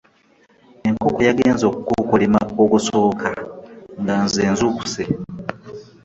Enkoko yagenze okukokolima ogusoka nga nze nzukusse.